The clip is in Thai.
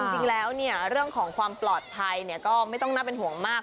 จริงแล้วเรื่องของความปลอดภัยก็ไม่ต้องน่าเป็นห่วงมาก